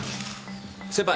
先輩！